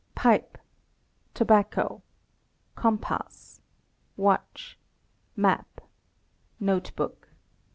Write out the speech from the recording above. Pipe. Tobacco. Compass. Watch. Map. Note book.